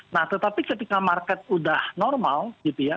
nah tetapi ketika market udah normal gitu ya